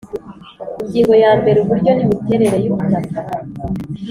Ingingo ya mbere Uburyo n imiterere yubutaka